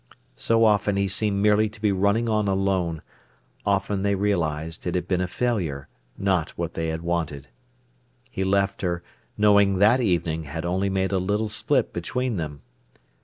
So often he seemed merely to be running on alone; often they realised it had been a failure, not what they had wanted. He left her, knowing that evening had only made a little split between them.